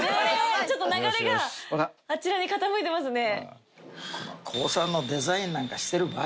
ちょっと流れがあちらに傾いてますね。